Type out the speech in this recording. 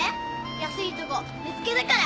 安いとこ見つけたから。